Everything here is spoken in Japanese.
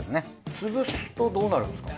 潰すとどうなるんですか？